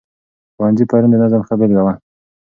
ښوونځي پرون د نظم ښه بېلګه وه.